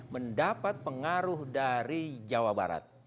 mendapat pengaruh dari jawa barat